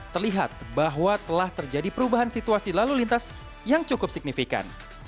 terlihat bahwa telah terjadi perubahan situasi lalu lintas yang cukup signifikan